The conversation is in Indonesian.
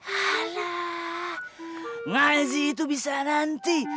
anak ngaji itu bisa nanti